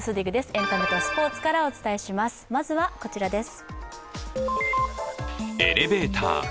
エンタメとスポーツからお伝えします、まずはこちらです。